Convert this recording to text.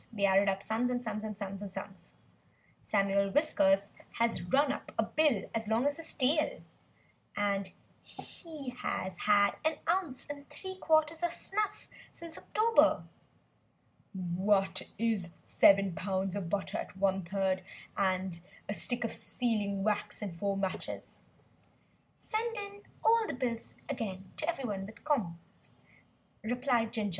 They added up sums and sums, and sums. "Samuel Whiskers has run up a bill as long as his tail; he has had an ounce and three quarters of snuff since October." "What is seven pounds of butter at 1/3, and a stick of sealing wax and four matches?" "Send in all the bills again to everybody 'with comp'ts,'" replied Ginger.